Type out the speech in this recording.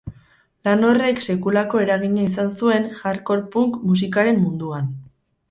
Lan horrek sekulako eragina izan zuen hardcore punk musikaren munduan.